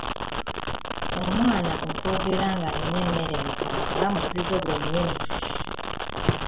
Omwana okwogera ng’alina emmere mu kamwa nga muzizo gwe nnyini.